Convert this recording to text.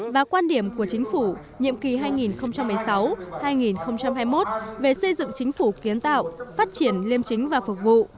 và quan điểm của chính phủ nhiệm kỳ hai nghìn một mươi sáu hai nghìn hai mươi một về xây dựng chính phủ kiến tạo phát triển liêm chính và phục vụ